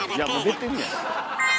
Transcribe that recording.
もう出てるやん。